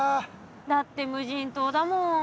だって無人島だもん。